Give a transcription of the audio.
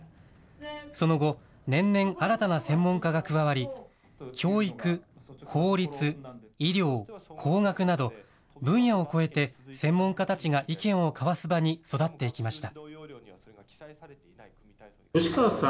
その後、年々、新たな専門家が加わり、教育、法律、医療、工学など、分野を超えて専門家たちが意見を交わす場に育っていきました。